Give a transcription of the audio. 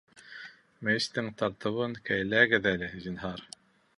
Мейестең тартыуын кәйләгеҙ әле, зинһар